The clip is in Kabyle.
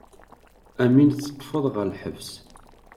Am win teṭṭfeḍ ɣer lḥebs.